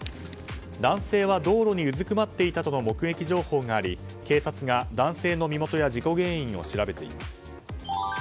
男性は道路にうずくまっていたとの目撃情報があり警察が男性の身元や事故原因を調べています。